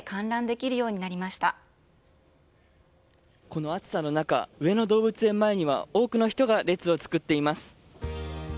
この暑さの中、上野動物園前には、多くの人が列を作っています。